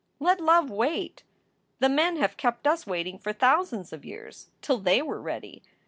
"Let love wait! The men have kept us waiting for thou sands of years, till they were ready.